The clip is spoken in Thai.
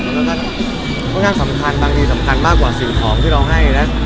แล้วก็ค่อนข้างสำคัญบางทีสำคัญมากกว่าสิ่งของที่เราให้นะ